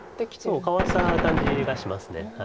そう変わった感じがします。